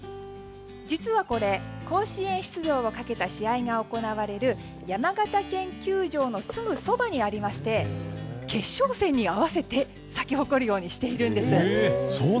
実はこれ、甲子園出場をかけた試合が行われる山形県球場のすぐそばにありまして決勝戦に合わせて咲き誇るようにしているんです。